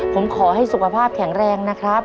ผมขอให้สุขภาพแข็งแรงนะครับ